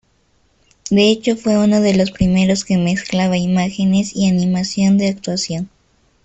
De hecho fue uno de los primeros que mezclaba imágenes y animación de actuación.